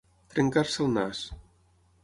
Trencar-se el nas.